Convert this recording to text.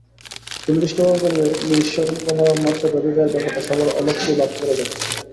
সুনির্দিষ্টভাবে বললে, নিঃসরণ কমানোর মাত্রা বেঁধে দেওয়ার ব্যাপারটা সবার অলক্ষ্যেই বাদ পড়ে যাচ্ছে।